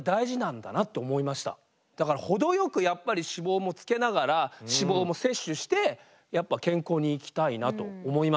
だから程よくやっぱり脂肪もつけながら脂肪も摂取して健康に生きたいなと思いました。